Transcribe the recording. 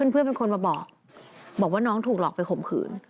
เพื่อนเป็นคนมาบอกบอกว่าน้องถูกหลอกไปข่มขืน